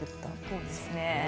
そうですねえ。